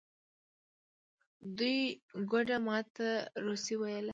دوی ګوډه ما ته روسي ویله.